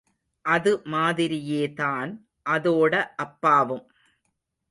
அது மாதிரியேதான் அதோட அப்பாவும்...!